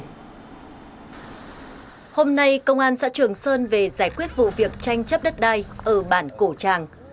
hôm nay công an xã trường sơn về giải quyết vụ việc tranh chấp đất đai ở bản cổ tràng